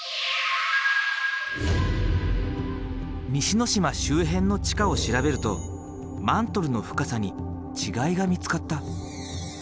西之島周辺の地下を調べるとマントルの深さに違いが見つかった。